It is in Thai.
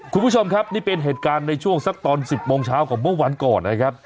คุณผู้ชมครับนี่เป็นเหตุการณ์ในช่วงสักตอน๑๐โมงเช้าของเมื่อวันก่อนนะครับ